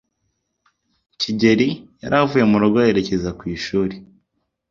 kigeli yari avuye mu rugo yerekeza ku ishuri.